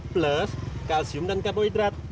plus kalsium dan karbohidrat